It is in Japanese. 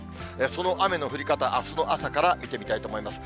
その雨の降り方、あすの朝から見てみたいと思います。